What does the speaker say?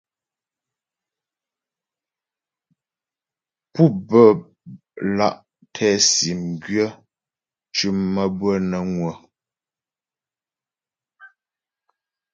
Pú bə́́ lǎ' tɛ sìm gwyə̌ mcʉ̀m maə́bʉə̌'ə nə́ ŋwə̌.